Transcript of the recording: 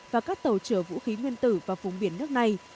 và các tàu chở vũ khí nguyên tử vào vùng biển nước này